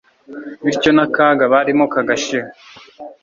bityo nakaga barimo kagashira